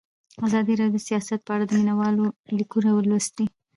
ازادي راډیو د سیاست په اړه د مینه والو لیکونه لوستي.